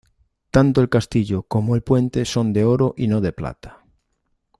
Tanto el castillo como el puente son de oro y no de plata.